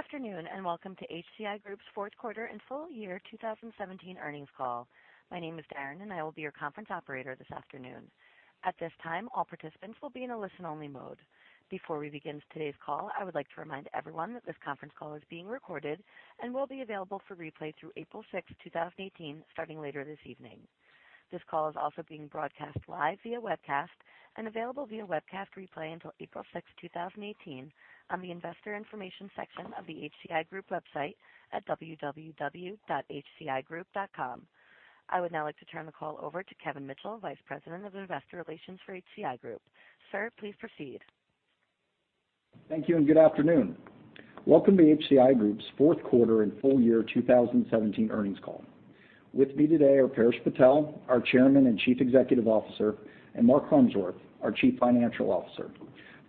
Good afternoon, welcome to HCI Group's fourth quarter and full year 2017 earnings call. My name is Darren, and I will be your conference operator this afternoon. At this time, all participants will be in a listen-only mode. Before we begin today's call, I would like to remind everyone that this conference call is being recorded and will be available for replay through April 6th, 2018, starting later this evening. This call is also being broadcast live via webcast and available via webcast replay until April 6th, 2018, on the investor information section of the HCI Group website at www.hcigroup.com. I would now like to turn the call over to Kevin Mitchell, Vice President of Investor Relations for HCI Group. Sir, please proceed. Thank you, good afternoon. Welcome to HCI Group's fourth quarter and full year 2017 earnings call. With me today are Paresh Patel, our Chairman and Chief Executive Officer, and Mark Harmsworth, our Chief Financial Officer.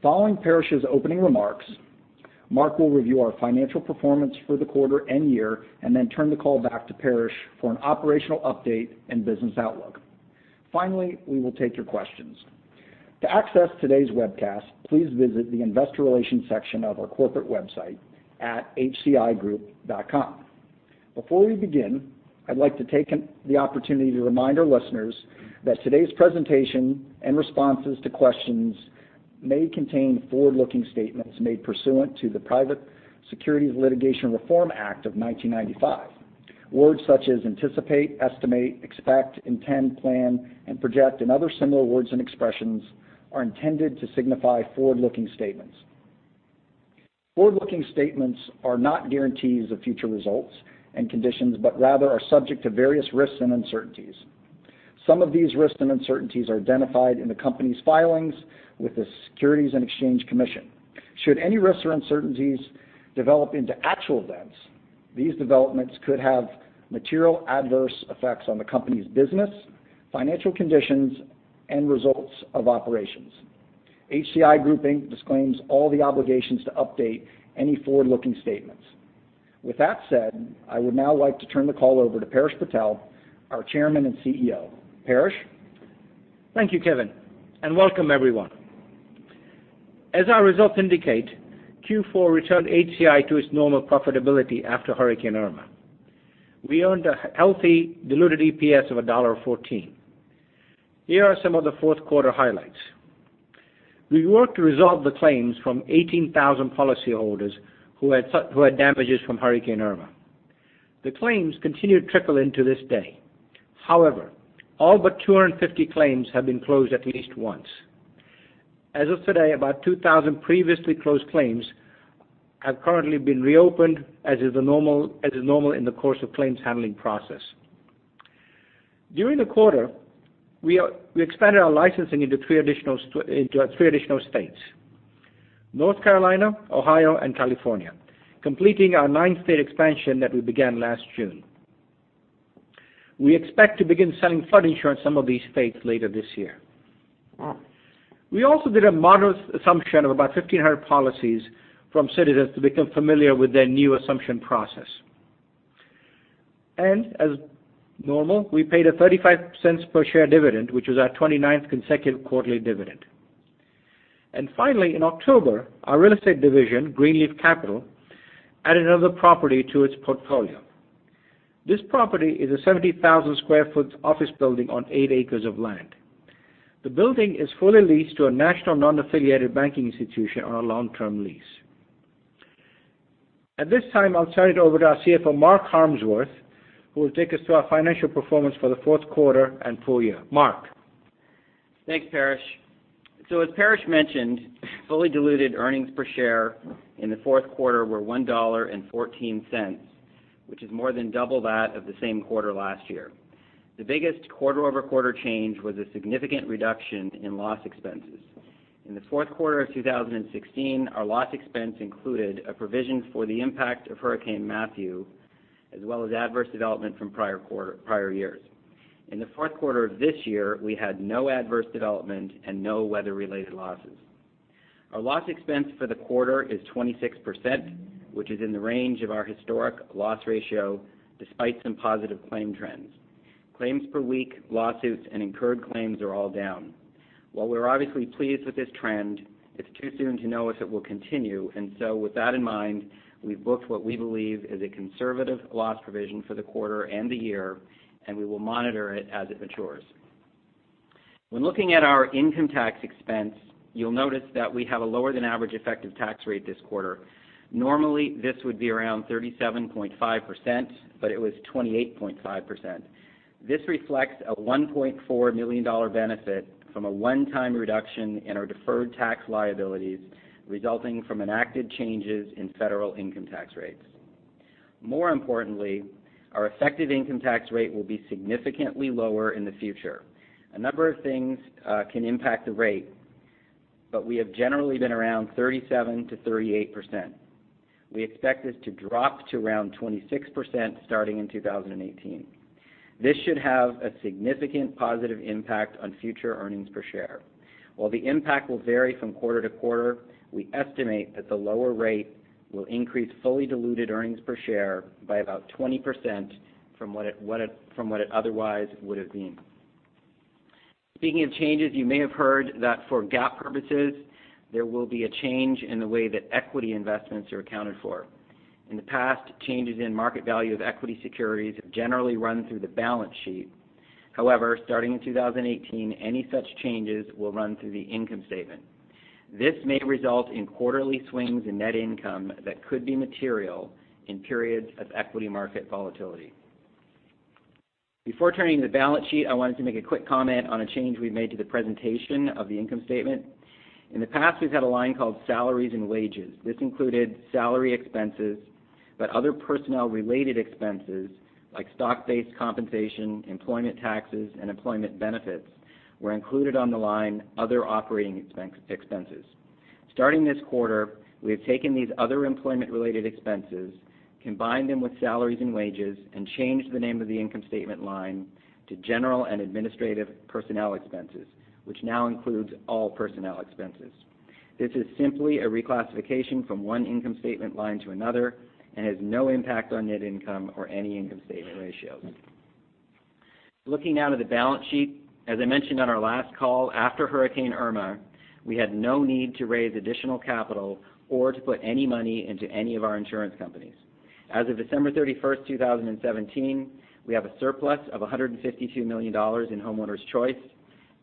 Following Paresh's opening remarks, Mark will review our financial performance for the quarter and year, then turn the call back to Paresh for an operational update and business outlook. Finally, we will take your questions. To access today's webcast, please visit the investor relations section of our corporate website at hcigroup.com. Before we begin, I'd like to take the opportunity to remind our listeners that today's presentation and responses to questions may contain forward-looking statements made pursuant to the Private Securities Litigation Reform Act of 1995. Words such as anticipate, estimate, expect, intend, plan, and project and other similar words and expressions are intended to signify forward-looking statements. Forward-looking statements are not guarantees of future results and conditions, but rather are subject to various risks and uncertainties. Some of these risks and uncertainties are identified in the company's filings with the Securities and Exchange Commission. Should any risks or uncertainties develop into actual events, these developments could have material adverse effects on the company's business, financial conditions, and results of operations. HCI Group Inc. disclaims all the obligations to update any forward-looking statements. With that said, I would now like to turn the call over to Paresh Patel, our chairman and CEO. Paresh? Thank you, Kevin, welcome everyone. As our results indicate, Q4 returned HCI to its normal profitability after Hurricane Irma. We earned a healthy diluted EPS of $1.14. Here are some of the fourth quarter highlights. We worked to resolve the claims from 18,000 policyholders who had damages from Hurricane Irma. The claims continue to trickle in to this day. However, all but 250 claims have been closed at least once. As of today, about 2,000 previously closed claims have currently been reopened, as is normal in the course of claims handling process. During the quarter, we expanded our licensing into three additional states, North Carolina, Ohio, and California, completing our nine-state expansion that we began last June. We expect to begin selling flood insurance in some of these states later this year. We also did a modest assumption of about 1,500 policies from Citizens to become familiar with their new assumption process. As normal, we paid a $0.35 per share dividend, which was our 29th consecutive quarterly dividend. Finally, in October, our real estate division, Greenleaf Capital, added another property to its portfolio. This property is a 70,000 square foot office building on eight acres of land. The building is fully leased to a national non-affiliated banking institution on a long-term lease. At this time, I'll turn it over to our CFO, Mark Harmsworth, who will take us through our financial performance for the fourth quarter and full year. Mark? Thanks, Paresh. As Paresh mentioned, fully diluted earnings per share in the fourth quarter were $1.14, which is more than double that of the same quarter last year. The biggest quarter-over-quarter change was a significant reduction in loss expenses. In the fourth quarter of 2016, our loss expense included a provision for the impact of Hurricane Matthew, as well as adverse development from prior years. In the fourth quarter of this year, we had no adverse development and no weather-related losses. Our loss expense for the quarter is 26%, which is in the range of our historic loss ratio, despite some positive claim trends. Claims per week, lawsuits, and incurred claims are all down. While we're obviously pleased with this trend, it's too soon to know if it will continue. With that in mind, we've booked what we believe is a conservative loss provision for the quarter and the year, and we will monitor it as it matures. When looking at our income tax expense, you'll notice that we have a lower than average effective tax rate this quarter. Normally, this would be around 37.5%, but it was 28.5%. This reflects a $1.4 million benefit from a one-time reduction in our deferred tax liabilities resulting from enacted changes in federal income tax rates. More importantly, our effective income tax rate will be significantly lower in the future. A number of things can impact the rate, but we have generally been around 37%-38%. We expect this to drop to around 26% starting in 2018. This should have a significant positive impact on future earnings per share. While the impact will vary from quarter to quarter, we estimate that the lower rate will increase fully diluted earnings per share by about 20% from what it otherwise would have been. Speaking of changes, you may have heard that for GAAP purposes, there will be a change in the way that equity investments are accounted for. In the past, changes in market value of equity securities have generally run through the balance sheet. However, starting in 2018, any such changes will run through the income statement. This may result in quarterly swings in net income that could be material in periods of equity market volatility. Before turning to the balance sheet, I wanted to make a quick comment on a change we've made to the presentation of the income statement. In the past, we've had a line called salaries and wages. This included salary expenses, but other personnel-related expenses like stock-based compensation, employment taxes, and employment benefits were included on the line, other operating expenses. Starting this quarter, we have taken these other employment-related expenses, combined them with salaries and wages, and changed the name of the income statement line to general and administrative personnel expenses, which now includes all personnel expenses. This is simply a reclassification from one income statement line to another and has no impact on net income or any income statement ratios. Looking now to the balance sheet, as I mentioned on our last call, after Hurricane Irma, we had no need to raise additional capital or to put any money into any of our insurance companies. As of December 31st, 2017, we have a surplus of $152 million in Homeowners Choice,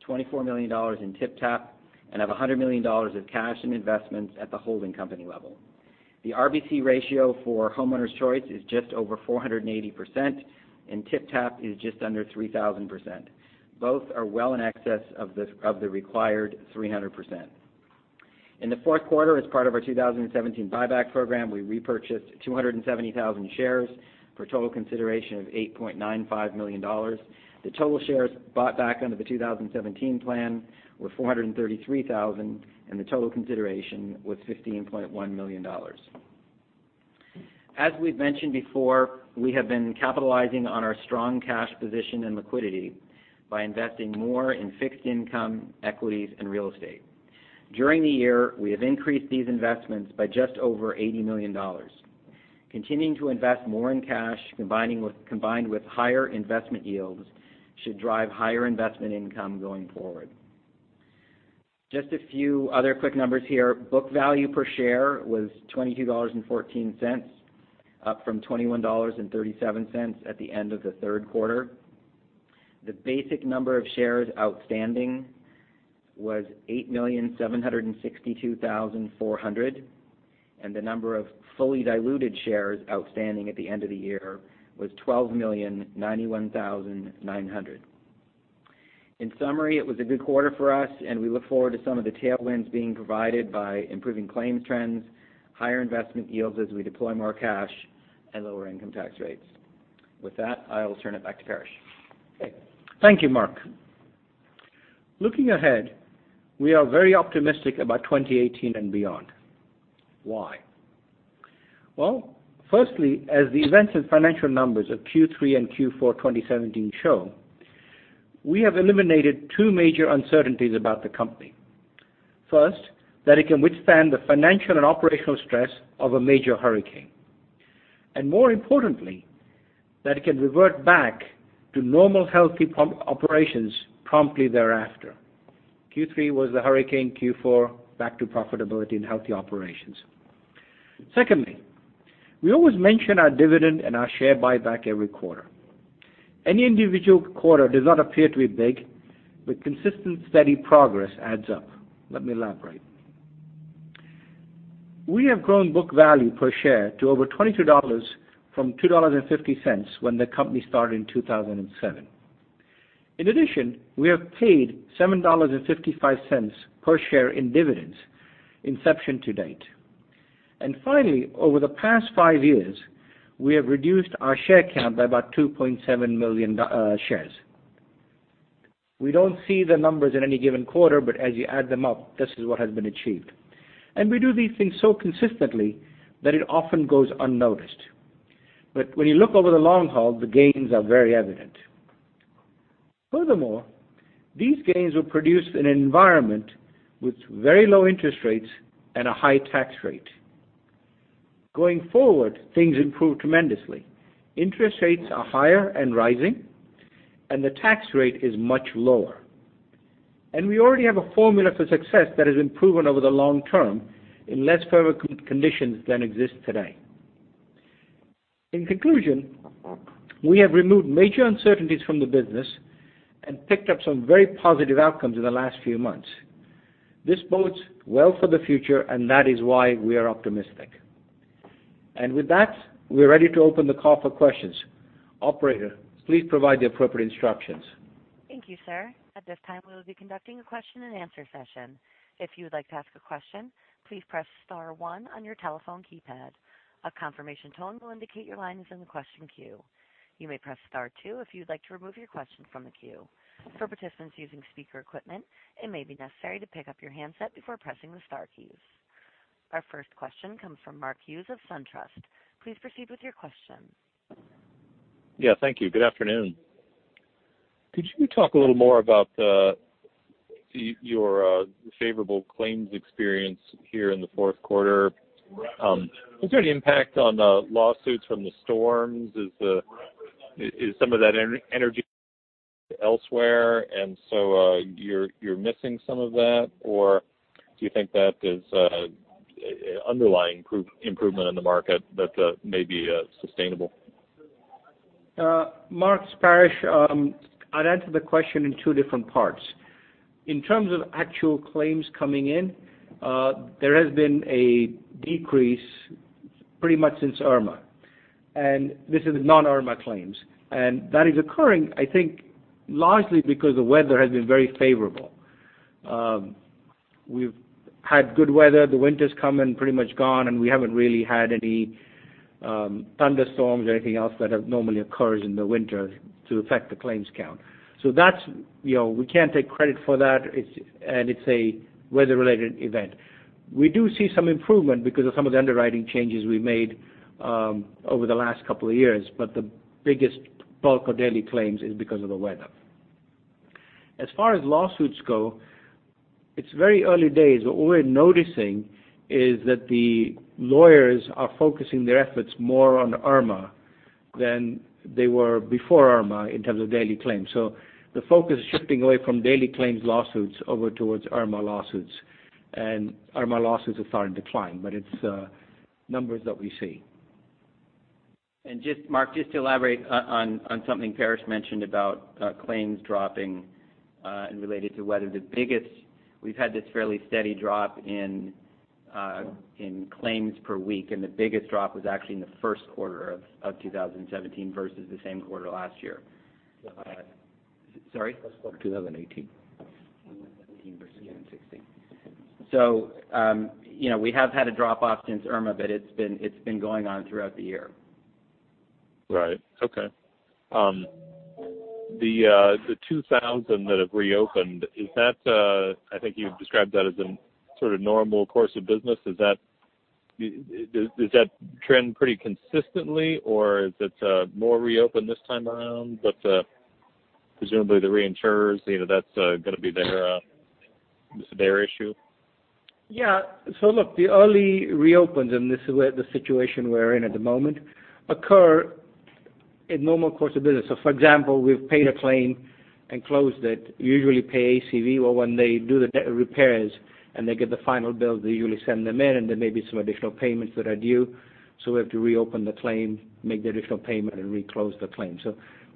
$24 million in TypTap, and have $100 million of cash and investments at the holding company level. The RBC ratio for Homeowners Choice is just over 480%, and TypTap is just under 3,000%. Both are well in excess of the required 300%. In the fourth quarter, as part of our 2017 buyback program, we repurchased 270,000 shares for a total consideration of $8.95 million. The total shares bought back under the 2017 plan were 433,000, and the total consideration was $15.1 million. As we've mentioned before, we have been capitalizing on our strong cash position and liquidity by investing more in fixed income equities and real estate. During the year, we have increased these investments by just over $80 million. Continuing to invest more in cash, combined with higher investment yields, should drive higher investment income going forward. Just a few other quick numbers here. Book value per share was $22.14, up from $21.37 at the end of the third quarter. The basic number of shares outstanding was 8,762,400, and the number of fully diluted shares outstanding at the end of the year was 12,091,900. In summary, it was a good quarter for us, and we look forward to some of the tailwinds being provided by improving claims trends, higher investment yields as we deploy more cash, and lower income tax rates. With that, I will turn it back to Paresh. Okay. Thank you, Mark. Looking ahead, we are very optimistic about 2018 and beyond. Why? Well, firstly, as the events and financial numbers of Q3 and Q4 2017 show, we have eliminated two major uncertainties about the company. First, that it can withstand the financial and operational stress of a major hurricane, and more importantly, that it can revert back to normal, healthy operations promptly thereafter. Q3 was the hurricane, Q4 back to profitability and healthy operations. Secondly, we always mention our dividend and our share buyback every quarter. Any individual quarter does not appear to be big, but consistent, steady progress adds up. Let me elaborate. We have grown book value per share to over $22 from $2.50 when the company started in 2007. In addition, we have paid $7.55 per share in dividends inception to date. Finally, over the past five years, we have reduced our share count by about 2.7 million shares. We don't see the numbers in any given quarter, but as you add them up, this is what has been achieved. We do these things so consistently that it often goes unnoticed. But when you look over the long haul, the gains are very evident. Furthermore, these gains were produced in an environment with very low interest rates and a high tax rate. Going forward, things improve tremendously. Interest rates are higher and rising, and the tax rate is much lower. We already have a formula for success that has been proven over the long term in less favorable conditions than exist today. In conclusion, we have removed major uncertainties from the business and picked up some very positive outcomes in the last few months. This bodes well for the future, and that is why we are optimistic. With that, we are ready to open the call for questions. Operator, please provide the appropriate instructions. Thank you, sir. At this time, we will be conducting a question and answer session. If you would like to ask a question, please press star one on your telephone keypad. A confirmation tone will indicate your line is in the question queue. You may press star two if you'd like to remove your question from the queue. For participants using speaker equipment, it may be necessary to pick up your handset before pressing the star keys. Our first question comes from Mark Hughes of SunTrust. Please proceed with your question. Yeah, thank you. Good afternoon. Could you talk a little more about the your favorable claims experience here in the fourth quarter. Is there any impact on the lawsuits from the storms? Is some of that energy elsewhere, and so you're missing some of that? Do you think that is underlying improvement in the market that may be sustainable? Mark, Paresh, I'd answer the question in two different parts. In terms of actual claims coming in, there has been a decrease pretty much since Irma. This is non-Irma claims, and that is occurring, I think largely because the weather has been very favorable. We've had good weather. The winter's come and pretty much gone, and we haven't really had any thunderstorms or anything else that have normally occurs in the winter to affect the claims count. We can't take credit for that, and it's a weather-related event. We do see some improvement because of some of the underwriting changes we've made over the last couple of years, but the biggest bulk of daily claims is because of the weather. As far as lawsuits go, it's very early days, but what we're noticing is that the lawyers are focusing their efforts more on Irma than they were before Irma in terms of daily claims. The focus is shifting away from daily claims lawsuits over towards Irma lawsuits, and Irma lawsuits are starting to decline, but it's numbers that we see. Mark, just to elaborate on something Paresh mentioned about claims dropping and related to weather. We've had this fairly steady drop in claims per week, and the biggest drop was actually in the first quarter of 2017 versus the same quarter last year. Sorry? First quarter 2018. 2017 versus 2016. We have had a drop-off since Hurricane Irma, but it's been going on throughout the year. Right. Okay. The 2,000 that have reopened, I think you described that as a sort of normal course of business. Does that trend pretty consistently, or is it more reopened this time around? Presumably the reinsurers, that's going to be their issue. Yeah. Look, the early reopens, and this is the situation we're in at the moment, occur in normal course of business. For example, we've paid a claim and closed it. Usually pay ACV, well, when they do the repairs and they get the final bill, they usually send them in, and there may be some additional payments that are due, we have to reopen the claim, make the additional payment, and reclose the claim.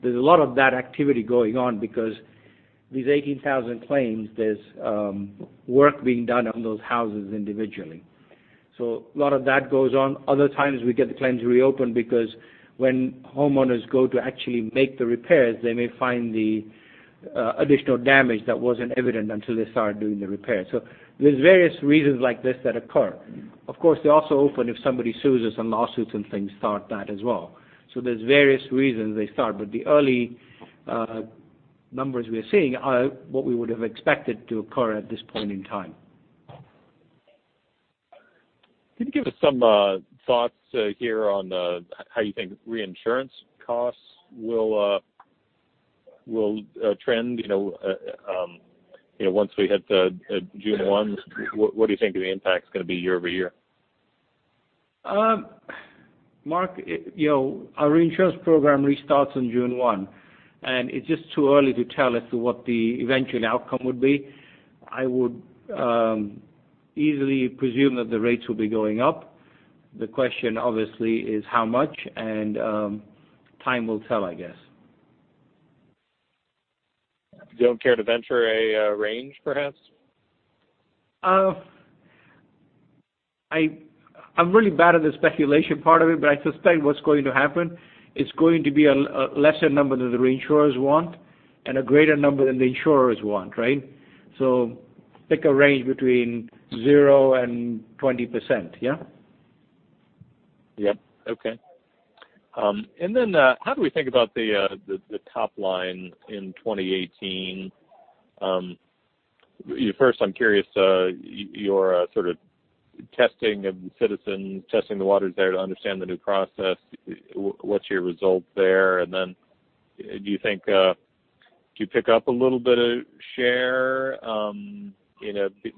There's a lot of that activity going on because these 18,000 claims, there's work being done on those houses individually. A lot of that goes on. Other times, we get the claims reopened because when homeowners go to actually make the repairs, they may find the additional damage that wasn't evident until they started doing the repairs. There's various reasons like this that occur. Of course, they also open if somebody sues us and lawsuits and things start that as well. There's various reasons they start, the early numbers we're seeing are what we would have expected to occur at this point in time. Can you give us some thoughts here on how you think reinsurance costs will trend once we hit June 1? What do you think the impact is going to be year-over-year? Mark, our reinsurance program restarts on June 1, it's just too early to tell as to what the eventual outcome would be. I would easily presume that the rates will be going up. The question obviously is how much, time will tell, I guess. You don't care to venture a range, perhaps? I'm really bad at the speculation part of it, I suspect what's going to happen, it's going to be a lesser number than the reinsurers want and a greater number than the insurers want, right? Pick a range between 0% and 20%, yeah? Yep. Okay. How do we think about the top line in 2018? First, I'm curious, you're sort of testing, and Citizens testing the waters there to understand the new process. What's your result there, and then do you think you pick up a little bit of share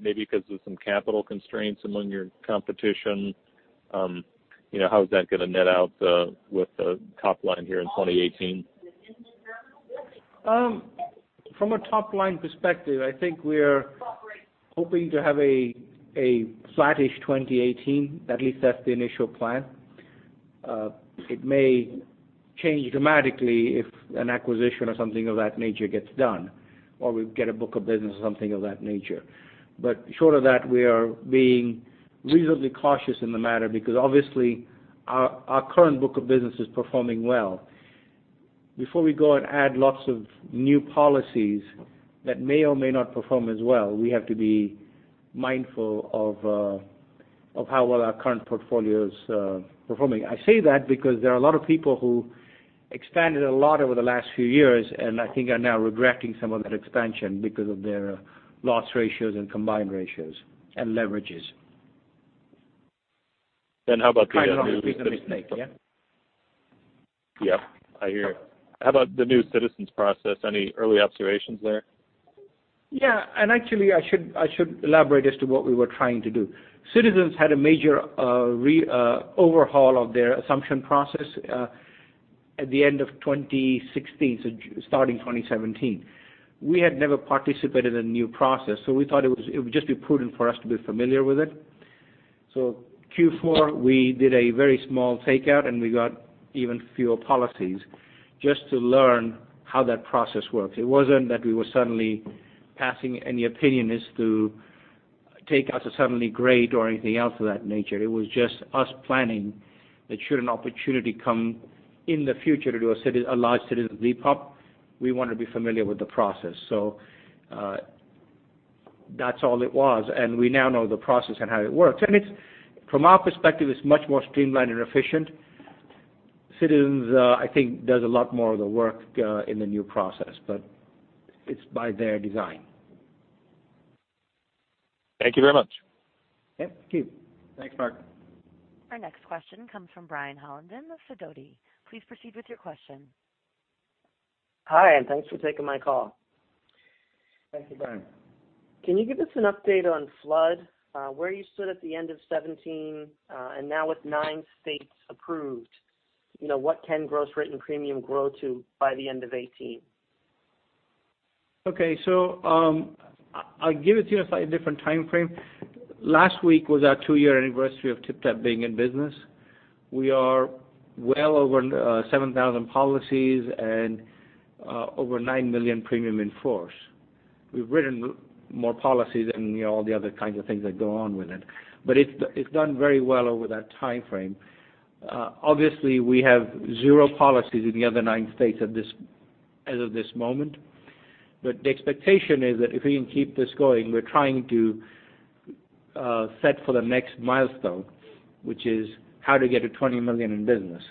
maybe because of some capital constraints among your competition? How is that going to net out with the top line here in 2018? From a top-line perspective, I think we're hoping to have a flattish 2018. At least that's the initial plan. It may change dramatically if an acquisition or something of that nature gets done, or we get a book of business or something of that nature. Short of that, we are being reasonably cautious in the matter because obviously our current book of business is performing well. Before we go and add lots of new policies that may or may not perform as well, we have to be mindful of how well our current portfolio is performing. I say that because there are a lot of people who expanded a lot over the last few years, and I think are now regretting some of that expansion because of their loss ratios and combined ratios and leverages. How about the new- Trying not to be a mistake, yeah? Yeah, I hear. How about the new Citizens process? Any early observations there? Yeah. Actually, I should elaborate as to what we were trying to do. Citizens had a major overhaul of their assumption process at the end of 2016, starting 2017. We had never participated in a new process. We thought it would just be prudent for us to be familiar with it. Q4, we did a very small takeout, and we got even fewer policies just to learn how that process works. It wasn't that we were suddenly passing any opinion as to take us as suddenly great or anything else of that nature. It was just us planning that should an opportunity come in the future to do a large Citizens repop, we want to be familiar with the process. That's all it was, and we now know the process and how it works. From our perspective, it's much more streamlined and efficient. Citizens, I think, does a lot more of the work in the new process, but it's by their design. Thank you very much. Yeah, thank you. Thanks, Mark. Our next question comes from Brian Hollenden of Sidoti. Please proceed with your question. Hi, thanks for taking my call. Thank you, Brian. Can you give us an update on flood, where you stood at the end of 2017, and now with nine states approved, what can gross written premium grow to by the end of 2018? Okay. I'll give it to you in a slightly different time frame. Last week was our two-year anniversary of TypTap being in business. We are well over 7,000 policies and over $9 million premium in force. We've written more policies and all the other kinds of things that go on with it, but it's done very well over that time frame. Obviously, we have zero policies in the other nine states as of this moment. The expectation is that if we can keep this going, we're trying to set for the next milestone, which is how to get to $20 million in business,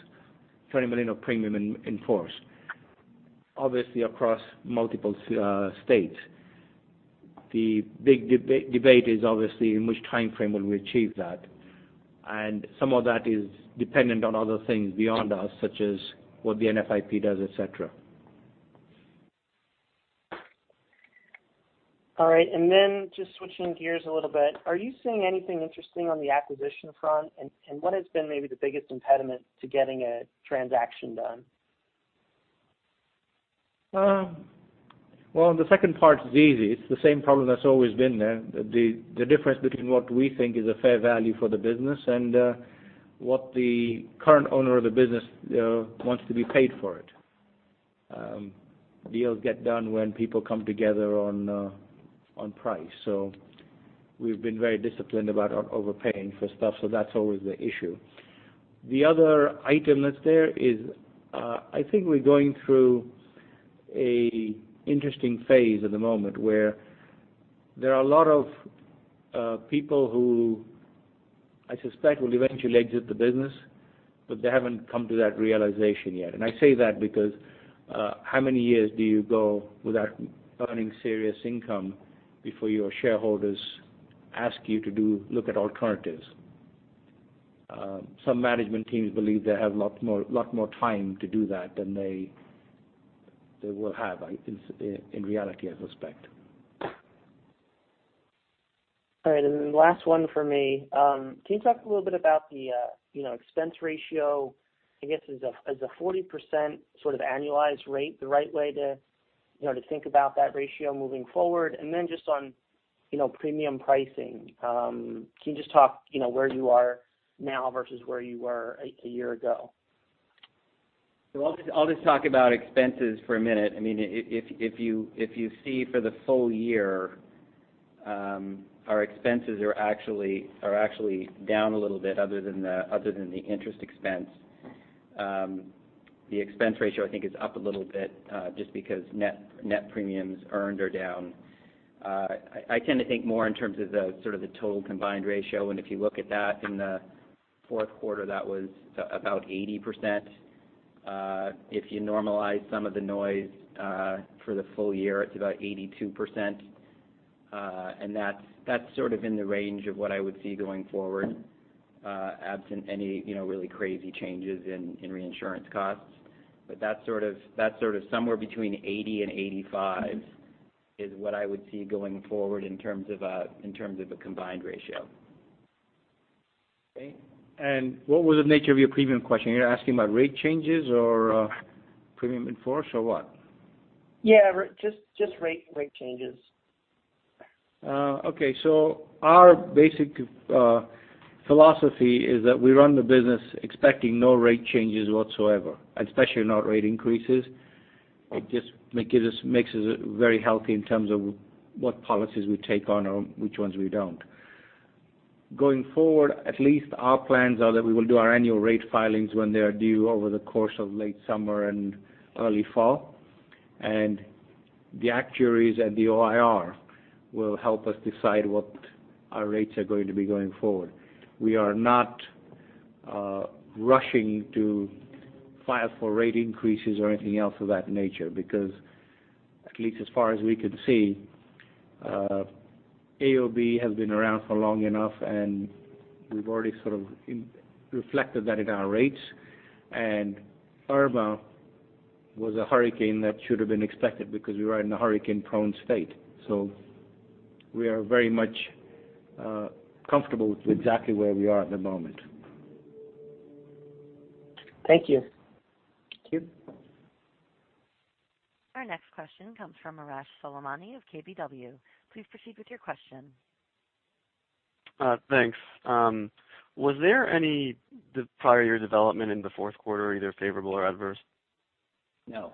$20 million of premium in force, obviously across multiple states. The big debate is obviously in which time frame will we achieve that, and some of that is dependent on other things beyond us, such as what the NFIP does, et cetera. All right. Just switching gears a little bit, are you seeing anything interesting on the acquisition front? What has been maybe the biggest impediment to getting a transaction done? Well, the second part is easy. It's the same problem that's always been there. The difference between what we think is a fair value for the business and what the current owner of the business wants to be paid for it. Deals get done when people come together on price. We've been very disciplined about not overpaying for stuff, so that's always the issue. The other item that's there is, I think we're going through an interesting phase at the moment where there are a lot of people who I suspect will eventually exit the business, but they haven't come to that realization yet. I say that because how many years do you go without earning serious income before your shareholders ask you to look at alternatives? Some management teams believe they have a lot more time to do that than they will have in reality, I suspect. All right, last one for me. Can you talk a little bit about the expense ratio? I guess, is a 40% sort of annualized rate the right way to think about that ratio moving forward? Just on premium pricing. Can you just talk where you are now versus where you were a year ago? I'll just talk about expenses for a minute. If you see for the full year, our expenses are actually down a little bit, other than the interest expense. The expense ratio, I think, is up a little bit, just because net premiums earned are down. I tend to think more in terms of the sort of the total combined ratio, and if you look at that in the fourth quarter, that was about 80%. If you normalize some of the noise for the full year, it's about 82%. That's sort of in the range of what I would see going forward, absent any really crazy changes in reinsurance costs. That's sort of somewhere between 80%-85% is what I would see going forward in terms of a combined ratio. Okay. What was the nature of your premium question? You're asking about rate changes or premium in force or what? Yeah, just rate changes. Our basic philosophy is that we run the business expecting no rate changes whatsoever, especially not rate increases. It just makes us very healthy in terms of what policies we take on and which ones we don't. Going forward, at least our plans are that we will do our annual rate filings when they are due over the course of late summer and early fall. The actuaries at the OIR will help us decide what our rates are going to be going forward. We are not rushing to file for rate increases or anything else of that nature because, at least as far as we can see, AOB has been around for long enough, and we've already sort of reflected that in our rates. Irma was a hurricane that should have been expected because we are in a hurricane-prone state. We are very much comfortable with exactly where we are at the moment. Thank you. Thank you. Our next question comes from Arash Soleimani of KBW. Please proceed with your question. Thanks. Was there any prior year development in the fourth quarter, either favorable or adverse? No.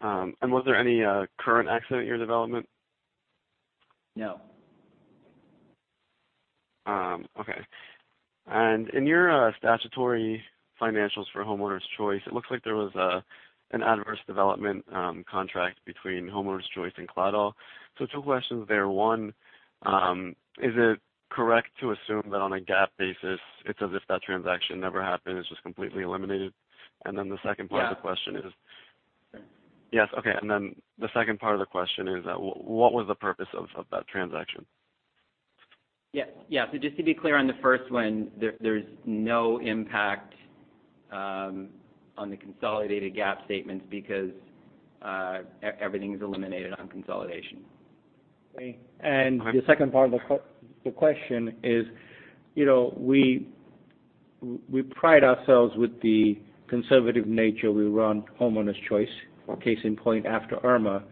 Was there any current accident year development? No. In your statutory financials for Homeowners Choice, it looks like there was an adverse development contract between Homeowners Choice and Claddagh. Two questions there. One, is it correct to assume that on a GAAP basis, it's as if that transaction never happened, it's just completely eliminated? The second part- Yeah of the question is. Yes. Okay. The second part of the question is, what was the purpose of that transaction? Just to be clear on the first one, there's no impact on the consolidated GAAP statements because everything is eliminated on consolidation. Okay. The second part of the question is, we pride ourselves with the conservative nature we run Homeowners Choice. Case in point, after Irma,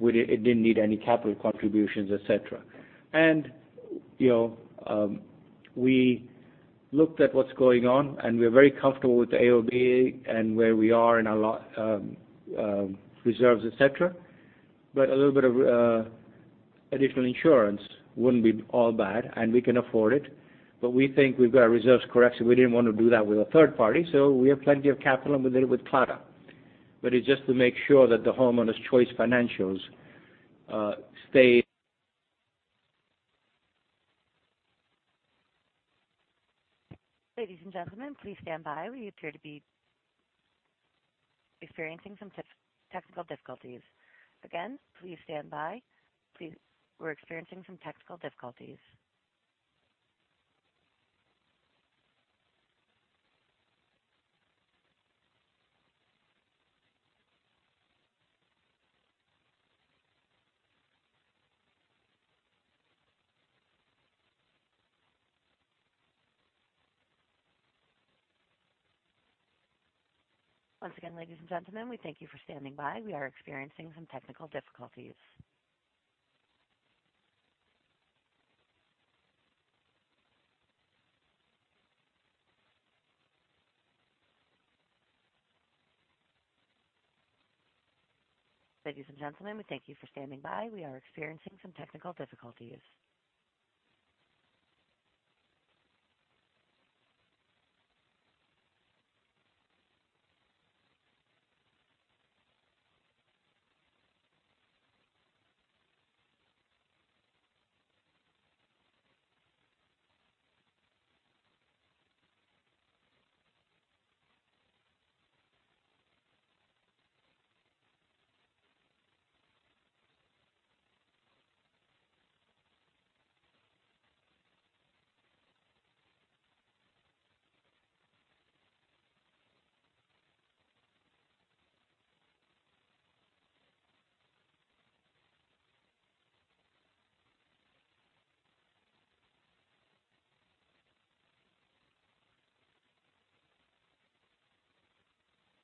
it didn't need any capital contributions, et cetera. We looked at what's going on, and we're very comfortable with the AOB and where we are in our reserves, et cetera. A little bit of additional insurance wouldn't be all bad, and we can afford it. We think we've got our reserves correct, we didn't want to do that with a third party. We have plenty of capital, and we did it with Claddagh. It's just to make sure that the Homeowners Choice financials stay- Ladies and gentlemen, please stand by. We appear to be experiencing some technical difficulties. Again, please stand by. We're experiencing some technical difficulties. Once again, ladies and gentlemen, we thank you for standing by. We are experiencing some technical difficulties. Ladies and gentlemen, we thank you for standing by. We are experiencing some technical difficulties.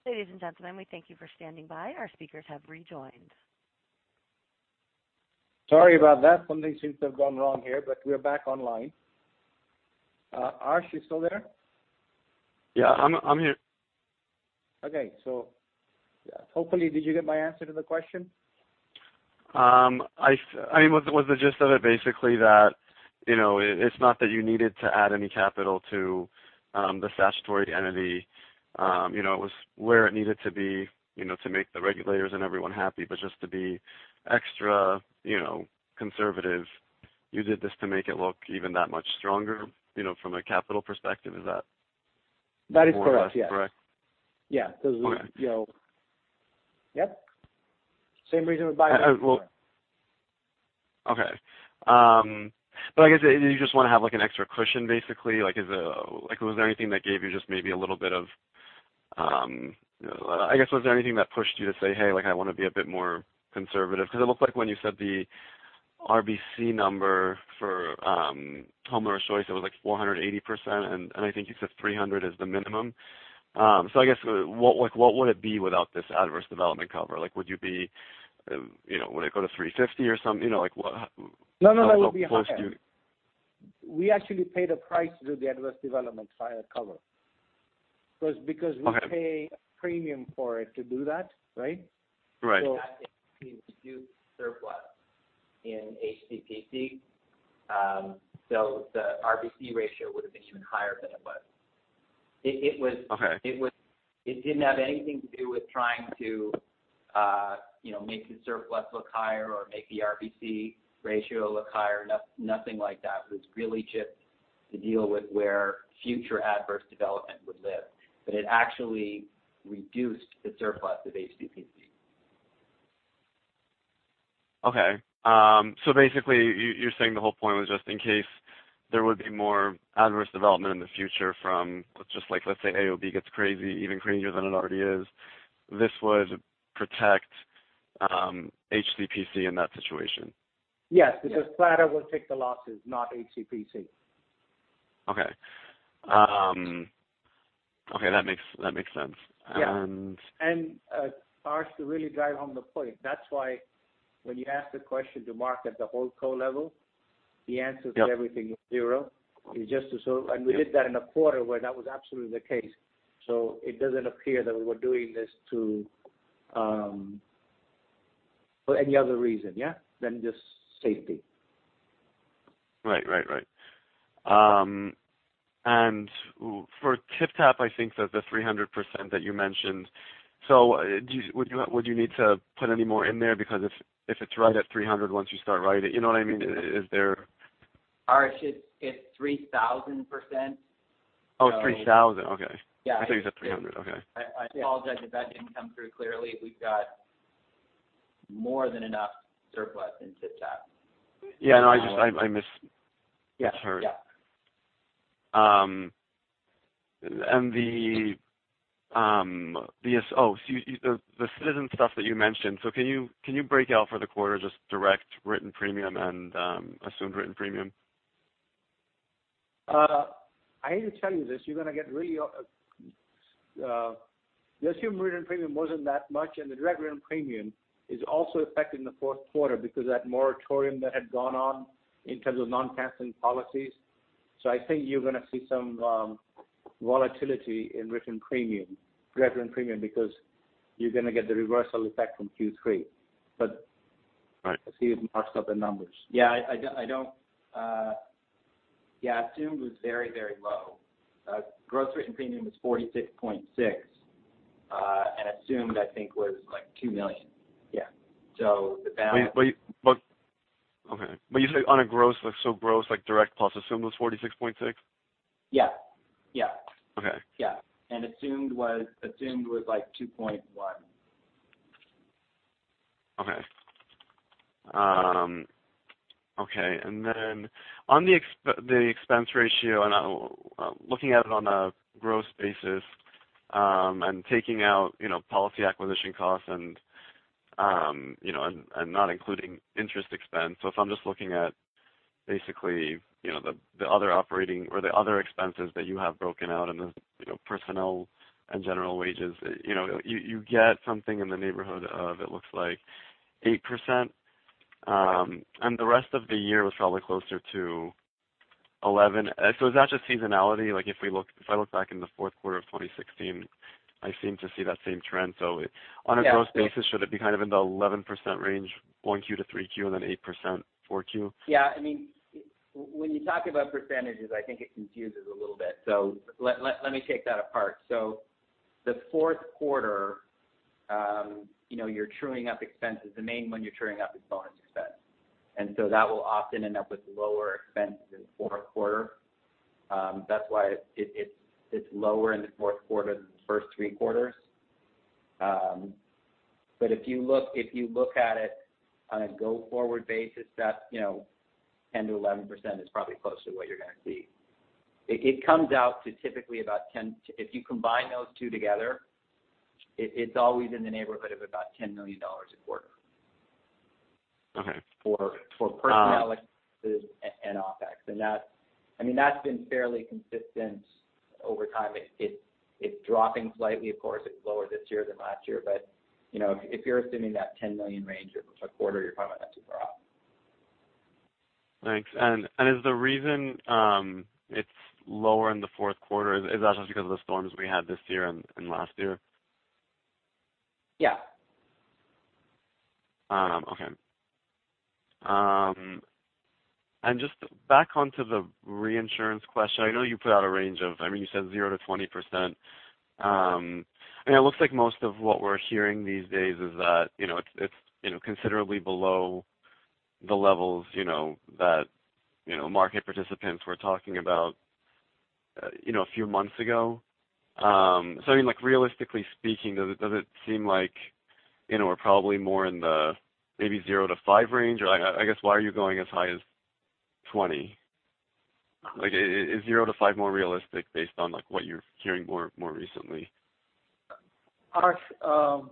Ladies and gentlemen, we thank you for standing by. Our speakers have rejoined. Sorry about that. Something seems to have gone wrong here, we are back online. Arash, you still there? Yeah, I'm here. Okay. Hopefully, did you get my answer to the question? Was the gist of it basically that, it's not that you needed to add any capital to the statutory entity. It was where it needed to be to make the regulators and everyone happy, but just to be extra conservative, you did this to make it look even that much stronger from a capital perspective, is that? That is correct. Yes more or less correct? Yeah. Okay. Yep. Same reason we buy. Okay. I guess, you just want to have an extra cushion, basically? Was there anything that gave you just maybe a little bit of I guess, was there anything that pushed you to say, "Hey, I want to be a bit more conservative"? Because it looked like when you said the RBC number for Homeowners Choice, it was like 480%, and I think you said 300% is the minimum. I guess, what would it be without this adverse development cover? Would it go to 350% or something? Like what? No. That would be higher. We actually paid a price to do the adverse development cover. Was because we pay a premium for it to do that, right? Right. That didn't reduce surplus in HCPC. The RBC ratio would've been even higher than it was. Okay. It didn't have anything to do with trying to make the surplus look higher or make the RBC ratio look higher. Nothing like that. It was really just to deal with where future adverse development would live, but it actually reduced the surplus of HCPC. Okay. Basically, you're saying the whole point was just in case there would be more adverse development in the future from, let's say AOB gets crazy, even crazier than it already is, this would protect HCPC in that situation? Yes. Yes. Claddagh will take the losses, not HCPC. That makes sense. Yeah. Arash, to really drive home the point, that's why when you asked the question to Mark at the whole co level. Yep To everything was zero. We did that in a quarter where that was absolutely the case. It doesn't appear that we were doing this for any other reason, yeah, than just safety. Right. For TypTap, I think that the 300% that you mentioned, so would you need to put any more in there because if it's right at 300%, once you start writing, you know what I mean? Arash, it's 3,000%. Oh, it's 3,000%? Okay. Yeah. I thought you said 300. Okay. I apologize if that didn't come through clearly. We've got more than enough surplus in TypTap. Yeah, no, I just misheard. Yeah. The Citizens stuff that you mentioned, can you break out for the quarter, just direct written premium and assumed written premium? I hate to tell you this, the assumed written premium wasn't that much, and the direct written premium is also affected in the fourth quarter because that moratorium that had gone on in terms of non-canceling policies. I think you're going to see some volatility in written premium, direct written premium, because you're going to get the reversal effect from Q3. Right Let's see if Mark's got the numbers. Yeah, assumed was very low. Gross written premium was $46.6, and assumed I think was like $2 million. Yeah. Okay. You say on a gross like direct plus assumed was $46.6? Yeah. Okay. Yeah. Assumed was like 2.1. Okay. On the expense ratio, looking at it on a gross basis, taking out policy acquisition costs and not including interest expense. If I'm just looking at basically, the other operating or the other expenses that you have broken out in the personnel and general wages, you get something in the neighborhood of, it looks like 8%, and the rest of the year was probably closer to 11%. Is that just seasonality? If I look back in the fourth quarter of 2016, I seem to see that same trend. On a gross basis, should it be kind of in the 11% range, 1Q to 3Q, and then 8% 4Q? Yeah. When you talk about percentages, I think it confuses a little bit. Let me take that apart. The fourth quarter, you're truing up expenses. The main one you're truing up is bond expense. That will often end up with lower expenses in the fourth quarter. That's why it's lower in the fourth quarter than the first three quarters. If you look at it on a go-forward basis, that 10%-11% is probably close to what you're going to see. It comes out to typically about, if you combine those two together, it's always in the neighborhood of about $10 million a quarter. Okay. For personnel expenses and OpEx. That's been fairly consistent over time. It's dropping slightly. Of course, it's lower this year than last year, but if you're assuming that $10 million range per quarter, you're probably not too far off. Thanks. Is the reason it's lower in the fourth quarter, is that just because of the storms we had this year and last year? Yeah. Okay. Just back onto the reinsurance question. I know you put out a range of, you said 0%-20%, and it looks like most of what we're hearing these days is that it's considerably below the levels that market participants were talking about a few months ago. I mean, realistically speaking, does it seem like we're probably more in the maybe 0-5 range? I guess why are you going as high as 20? Is 0-5 more realistic based on what you're hearing more recently? Arash,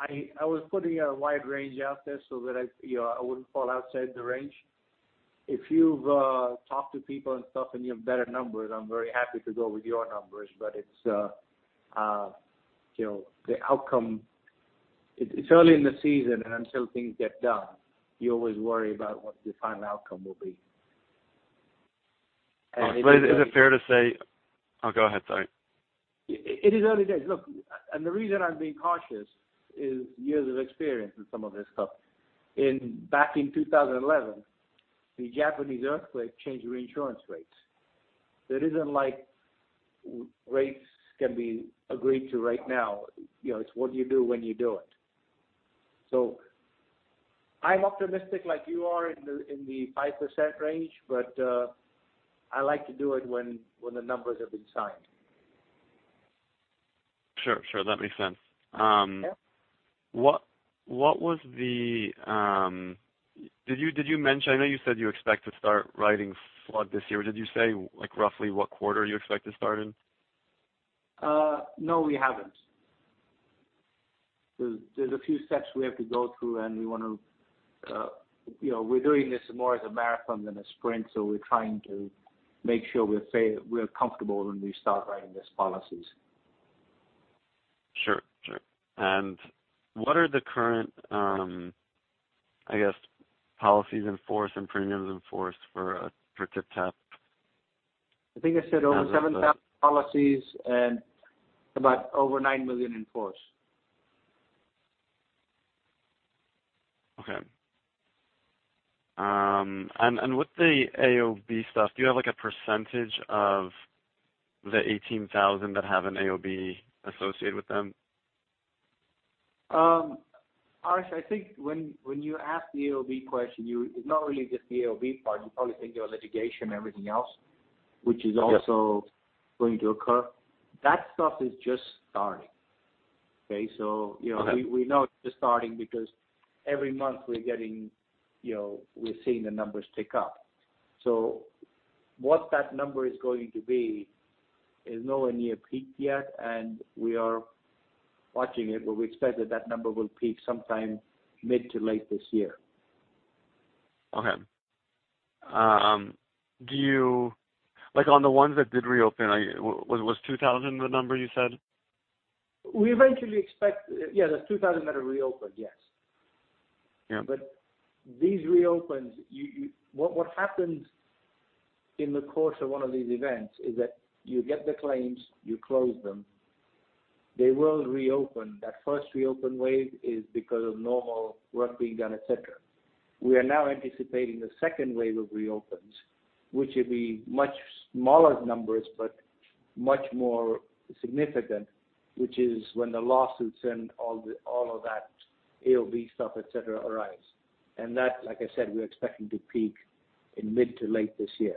I was putting a wide range out there so that I wouldn't fall outside the range. If you've talked to people and stuff and you have better numbers, I'm very happy to go with your numbers, it's early in the season, until things get done, you always worry about what the final outcome will be. Is it fair to say Oh, go ahead, sorry. It is early days. Look, the reason I'm being cautious is years of experience in some of this stuff. Back in 2011, the Japanese earthquake changed reinsurance rates. It isn't like rates can be agreed to right now. It's what you do when you do it. I'm optimistic like you are in the 5% range, but I like to do it when the numbers have been signed. Sure. That makes sense. Yeah. I know you said you expect to start writing flood this year. Did you say, roughly what quarter you expect to start in? No, we haven't. There's a few steps we have to go through, we're doing this more as a marathon than a sprint, we're trying to make sure we're comfortable when we start writing these policies. Sure. What are the current, I guess, policies in force and premiums in force for TypTap? I think I said over 7,000 policies and about over $9 million in force. Okay. With the AOB stuff, do you have a % of the 18,000 that have an AOB associated with them? Arash, I think when you ask the AOB question, it's not really just the AOB part. You probably think you have litigation and everything else. Yes which is also going to occur. That stuff is just starting. Okay? Okay. We know it's just starting because every month we're seeing the numbers tick up. What that number is going to be is nowhere near peak yet, and we are watching it, but we expect that that number will peak sometime mid to late this year. Okay. On the ones that did reopen, was 2,000 the number you said? We eventually expect Yeah, there's 2,000 that are reopened, yes. Yeah. These reopens, what happens in the course of one of these events is that you get the claims, you close them. They will reopen. That first reopen wave is because of normal work being done, et cetera. We are now anticipating the second wave of reopens, which will be much smaller numbers, but much more significant, which is when the lawsuits and all of that AOB stuff, et cetera, arise. That, like I said, we're expecting to peak in mid to late this year.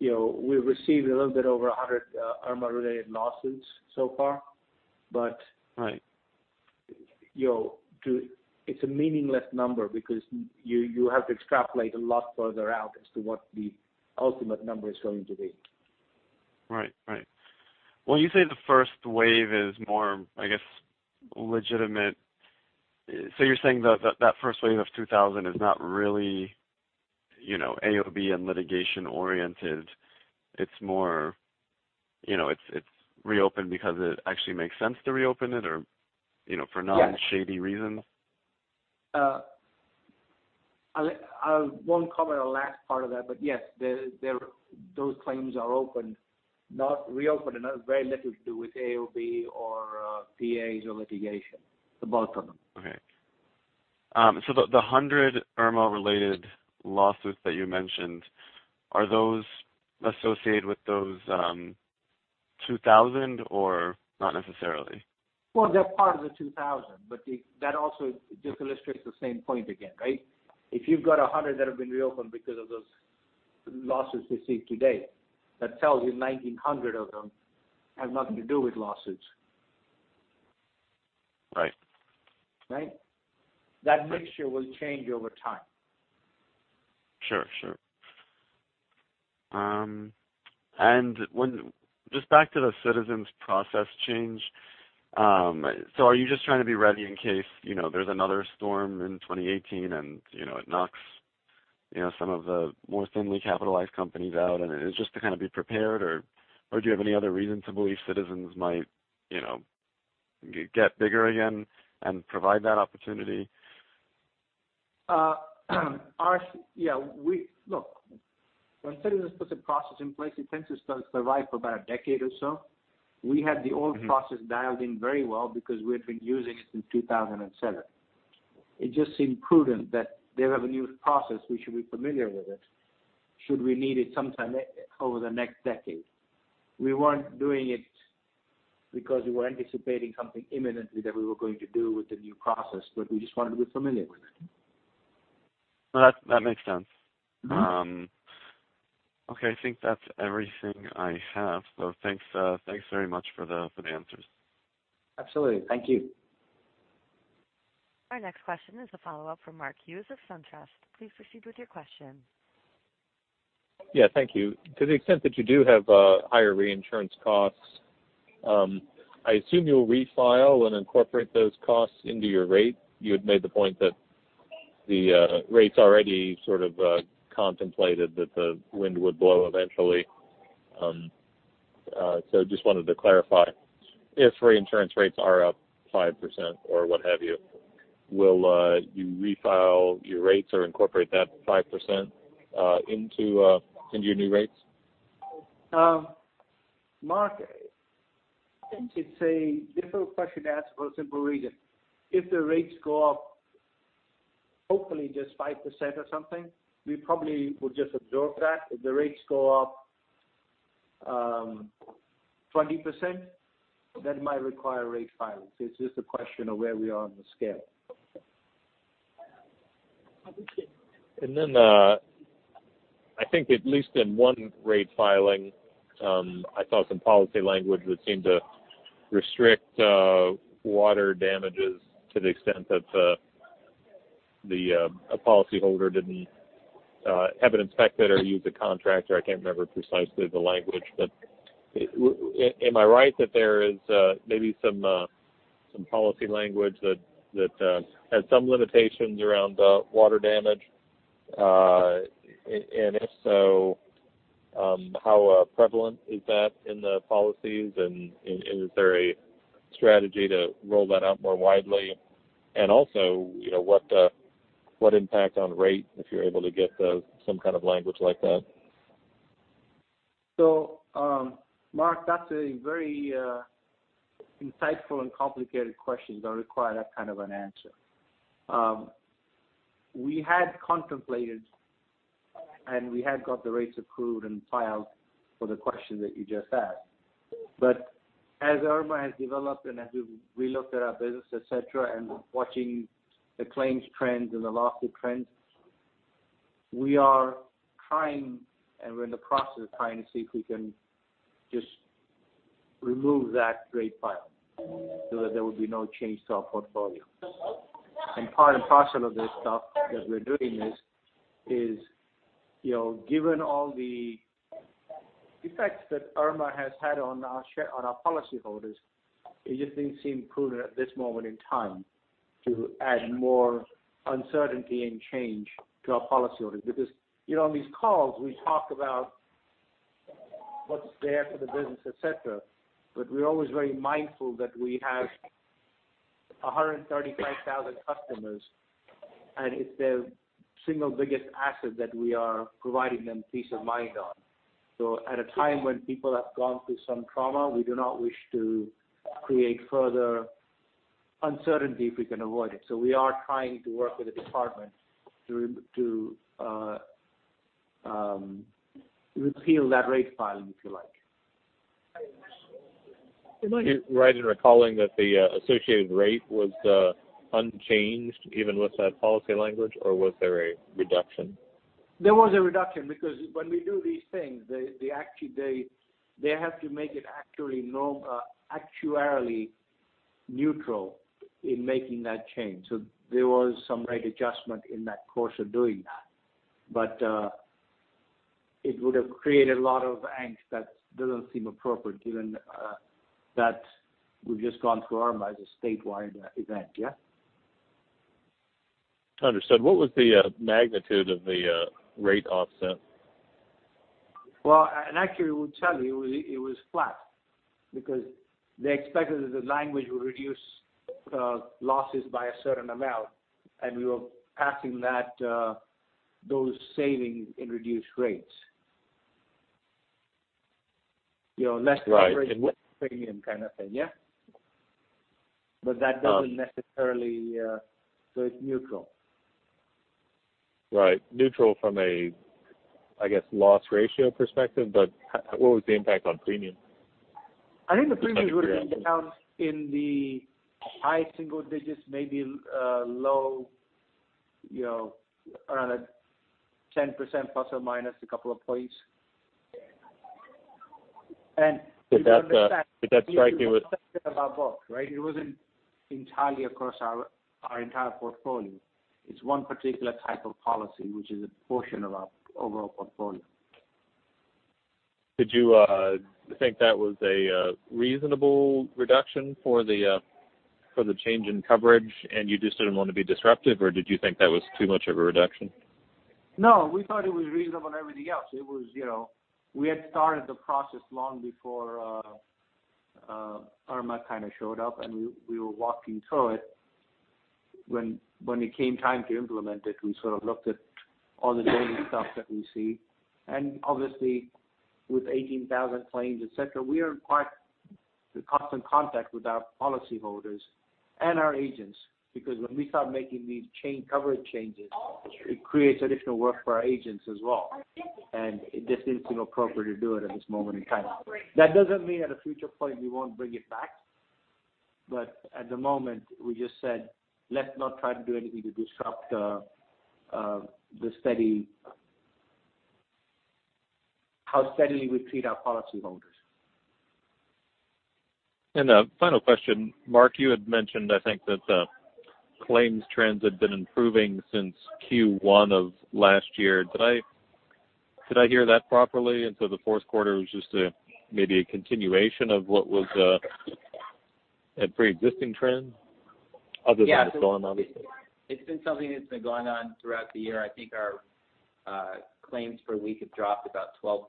We've received a little bit over 100 Irma-related lawsuits so far. Right It's a meaningless number because you have to extrapolate a lot further out as to what the ultimate number is going to be. Right. When you say the first wave is more, I guess, legitimate, you're saying that first wave of 2,000 is not really AOB and litigation oriented. It's reopened because it actually makes sense to reopen it. Yes Shady reasons? I won't comment on the last part of that, but yes, those claims are reopened and have very little to do with AOB or PAs or litigation, the bulk of them. Okay. The 100 Irma-related lawsuits that you mentioned, are those associated with those 2,000 or not necessarily? Well, they're part of the 2,000, but that also just illustrates the same point again, right? If you've got 100 that have been reopened because of those lawsuits received to date, that tells you 1,900 of them have nothing to do with lawsuits. Right. Right? That mixture will change over time. Sure. Just back to the Citizens process change. Are you just trying to be ready in case there's another storm in 2018, and it knocks some of the more thinly capitalized companies out, and it is just to kind of be prepared? Do you have any other reason to believe Citizens might get bigger again and provide that opportunity? Arash, yeah. When Citizens puts a process in place, it tends to survive for about a decade or so. We had the old process dialed in very well because we had been using it since 2007. It just seemed prudent that they have a new process, we should be familiar with it should we need it sometime over the next decade. We weren't doing it because we were anticipating something imminently that we were going to do with the new process, we just wanted to be familiar with it. That makes sense. Okay, I think that's everything I have. Thanks very much for the answers. Absolutely. Thank you. Our next question is a follow-up from Mark Hughes of SunTrust. Please proceed with your question. Thank you. To the extent that you do have higher reinsurance costs, I assume you'll refile and incorporate those costs into your rate. You had made the point that the rates already sort of contemplated that the wind would blow eventually. Just wanted to clarify. If reinsurance rates are up 5% or what have you, will you refile your rates or incorporate that 5% into your new rates? Mark, I think it's a difficult question to ask for a simple reason. If the rates go up hopefully just 5% or something. We probably will just absorb that. If the rates go up 20%, that might require rate filings. It's just a question of where we are on the scale. I think at least in one rate filing, I saw some policy language that seemed to restrict water damages to the extent that a policyholder didn't have it inspected or use a contractor. I can't remember precisely the language, but am I right that there is maybe some policy language that has some limitations around water damage? If so, how prevalent is that in the policies, and is there a strategy to roll that out more widely? Also, what impact on rate, if you're able to get some kind of language like that? Mark, that's a very insightful and complicated question that require that kind of an answer. We had contemplated, and we had got the rates approved and filed for the question that you just asked. As Irma has developed and as we've relooked at our business, et cetera, and watching the claims trends and the loss trends, we are trying, and we're in the process of trying to see if we can just remove that rate file so that there will be no change to our portfolio. Part and parcel of this stuff that we're doing is, given all the effects that Irma has had on our policyholders, it just didn't seem prudent at this moment in time to add more uncertainty and change to our policyholders. On these calls, we talk about what's there for the business, et cetera, but we're always very mindful that we have 135,000 customers, and it's their single biggest asset that we are providing them peace of mind on. At a time when people have gone through some trauma, we do not wish to create further uncertainty if we can avoid it. We are trying to work with the department to repeal that rate filing, if you like. Am I right in recalling that the associated rate was unchanged even with that policy language, or was there a reduction? There was a reduction because when we do these things, they have to make it actuarially neutral in making that change. There was some rate adjustment in that course of doing that. It would have created a lot of angst that doesn't seem appropriate given that we've just gone through Hurricane Irma as a statewide event, yeah? Understood. What was the magnitude of the rate offset? Well, actually, we'll tell you, it was flat because they expected that the language would reduce losses by a certain amount, and we were passing those savings in reduced rates. Right premium kind of thing, yeah? That doesn't necessarily. It's neutral. Right. Neutral from a, I guess, loss ratio perspective. What was the impact on premium? Just out of curiosity. I think the premiums would have been down in the high single digits, maybe low around a 10% ± a couple of points. You have to understand. Did that strike you with? It wasn't entirely across our entire portfolio. It's one particular type of policy, which is a portion of our overall portfolio. Did you think that was a reasonable reduction for the change in coverage and you just didn't want to be disruptive, or did you think that was too much of a reduction? No, we thought it was reasonable on everything else. We had started the process long before Irma kind of showed up, and we were walking through it. When it came time to implement it, we sort of looked at all the daily stuff that we see. Obviously, with 18,000 claims, et cetera, we are in quite the constant contact with our policyholders and our agents because when we start making these coverage changes, it creates additional work for our agents as well, and it just didn't seem appropriate to do it at this moment in time. That doesn't mean at a future point we won't bring it back. At the moment, we just said, "Let's not try to do anything to disrupt how steadily we treat our policyholders. A final question. Mark, you had mentioned, I think, that the claims trends had been improving since Q1 of last year. Did I hear that properly? The fourth quarter was just maybe a continuation of what was a preexisting trend other than what's going on recently? Yes. It's been something that's been going on throughout the year. I think our claims per week have dropped about 12%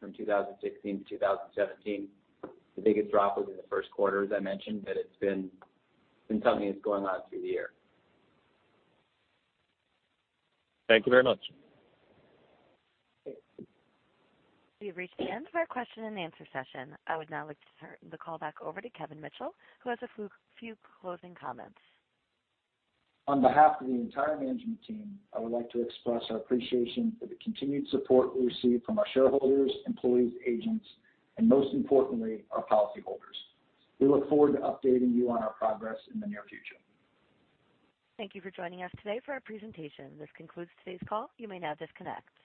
from 2016 to 2017. The biggest drop was in the first quarter, as I mentioned, but it's been something that's going on through the year. Thank you very much. We've reached the end of our question and answer session. I would now like to turn the call back over to Kevin Mitchell, who has a few closing comments. On behalf of the entire management team, I would like to express our appreciation for the continued support we receive from our shareholders, employees, agents, and most importantly, our policyholders. We look forward to updating you on our progress in the near future. Thank you for joining us today for our presentation. This concludes today's call. You may now disconnect.